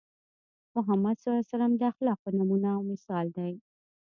محمد ص د اخلاقو نمونه او مثال دی.